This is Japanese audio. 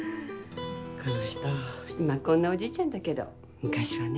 この人今こんなおじいちゃんだけど昔はね